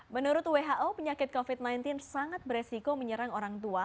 menurut who penyakit covid sembilan belas sangat beresiko menyerang orang tua